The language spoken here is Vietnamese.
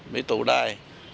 bị tụ đài